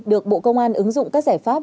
được bộ công an ứng dụng các giải pháp